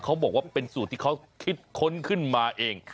เขาบอกว่าเป็นสูตรที่เขาคิดค้นขึ้นมาเอง